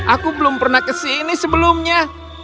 aku belum pernah ke sini sebelumnya